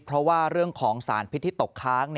เพราะว่าเรื่องของสารพิษที่ตกค้าง